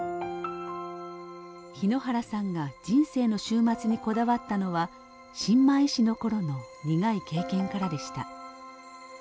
日野原さんが人生の終末にこだわったのは新米医師の頃の苦い経験からでした。